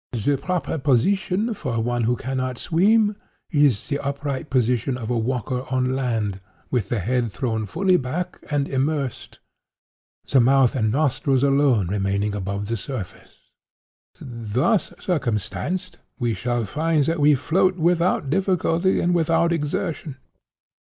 The proper position for one who cannot swim, is the upright position of the walker on land, with the head thrown fully back, and immersed; the mouth and nostrils alone remaining above the surface. Thus circumstanced, we shall find that we float without difficulty and without exertion.